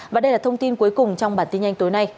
và đây là thông tin cuối cùng trong bản tin nhanh tối nay